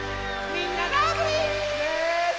みんなラブリー！